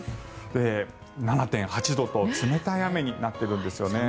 ７．８度と冷たい雨になっているんですよね。